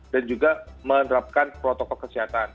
dan juga menerapkan protokol kesehatan